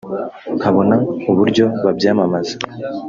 nkabona uburyo babyamamaza